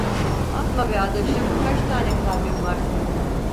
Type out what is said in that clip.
Atma be adaşım, kaç tane kalbin var senin?